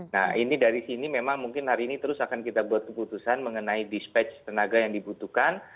nah ini dari sini memang mungkin hari ini terus akan kita buat keputusan mengenai dispatch tenaga yang dibutuhkan